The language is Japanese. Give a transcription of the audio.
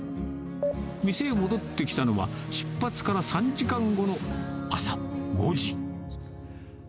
店へ戻ってきたのは出発から３時間後の朝５時。